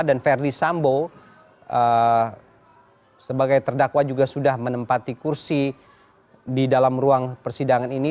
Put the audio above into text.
dan verdi sambo sebagai terdakwa juga sudah menempati kursi di dalam ruang persidangan ini